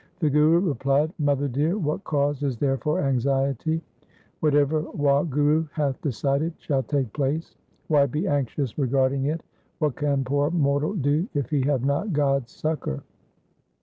The Guru replied, ' Mother dear, what cause is there for anxiety ? Whatever Wahguru hath decided shall take place. Why be anxious regarding it ? What can poor mortal do if he have not God's succour